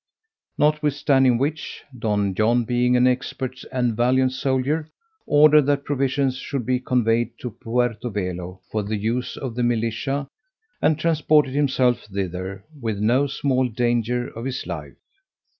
Notwithstanding which, Don John being an expert and valiant soldier, ordered that provisions should be conveyed to Puerto Velo for the use of the militia, and transported himself thither, with no small danger of his life.